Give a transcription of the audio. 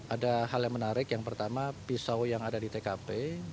ada hal yang menarik yang pertama pisau yang ada di tkp